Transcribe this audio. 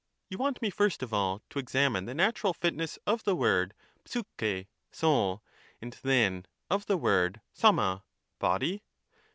You want me iirst of all to examine the natural fitness of the word '^vx'] (soul), and then of the word a(i)\ia (body)?